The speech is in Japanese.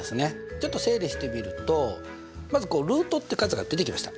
ちょっと整理してみるとまずこうルートって数が出てきました。